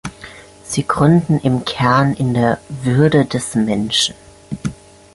Sie gründen im Kern in der Würde des Menschen.